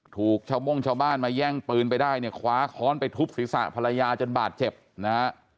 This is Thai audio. ถูกชาวโม่งชาวบ้านมาแย่งปืนไปได้เนี่ยคว้าค้อนไปทุบศีรษะภรรยาจนบาดเจ็บนะฮะ